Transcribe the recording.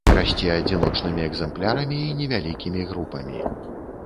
Расце адзіночнымі экзэмплярамі і невялікімі групамі.